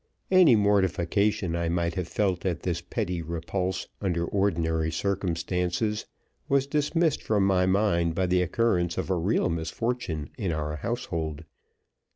Any mortification I might have felt at this petty repulse under ordinary circumstances was dismissed from my mind by the occurrence of a real misfortune in our household.